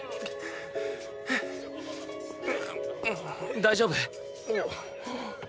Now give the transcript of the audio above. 大丈夫？